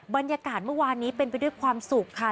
บรรยากาศเมื่อวานนี้เป็นไปด้วยความสุขค่ะ